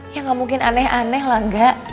ya nggak mungkin aneh aneh lah kak